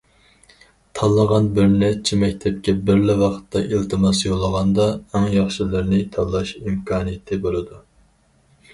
تاللىغان بىرنەچچە مەكتەپكە بىرلا ۋاقىتتا ئىلتىماس يوللىغاندا، ئەڭ ياخشىلىرىنى تاللاش ئىمكانىيىتى بولىدۇ.